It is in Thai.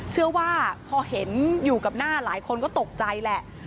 เชื่อว่าพอเห็นอยู่กับหน้าหลายคนก็ตกใจแหละ